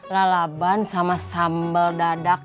lalaban sama sambal dadak